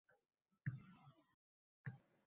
Yaramasang kuniga.